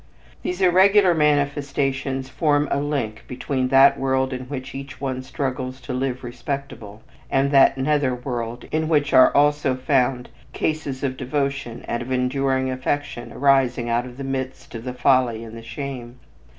These irregular manifestations form a link between that world in which each one struggles to "live respectable," and that nether world in which are also found cases of devotion and of enduring affection arising out of the midst of the folly and the shame.